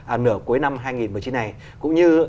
à nửa cuối năm hai nghìn một mươi chín này cũng như